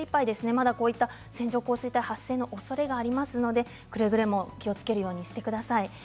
まだこういった線状降水帯発生のおそれがありますのでくれぐれも気をつけるようにしてください。